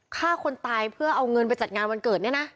ฆ่าคนตายเพื่อเอาเงินไปจัดงานวันเกิดเนี่ยนะ